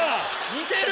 似てる！